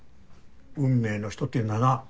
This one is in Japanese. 運命の人っていうのはな